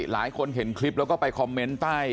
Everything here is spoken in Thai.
หลายคนเห็นคลิปแล้วก็ไปคอมเมนต์ใต้